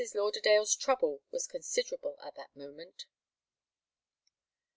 Lauderdale's trouble was considerable at that moment.